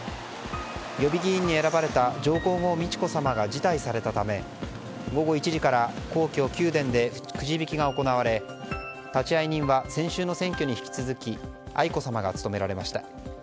予備議員に選ばれた上皇后・美智子さまが辞退されたため、午後１時から皇居・宮殿でくじ引きが行われ立会人は先週の選挙に引き続き愛子さまが務められました。